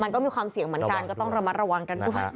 มันก็มีความเสี่ยงเหมือนกันก็ต้องระมัดระวังกันด้วย